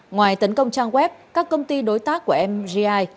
ngoài tấn công trang web các công ty đối tác của mgi